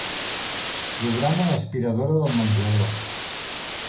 Programa l'aspiradora del menjador.